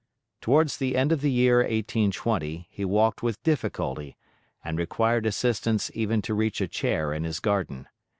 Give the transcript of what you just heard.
Towards the end of the year 1820 he walked with difficulty, and required assistance even to reach a chair in his garden.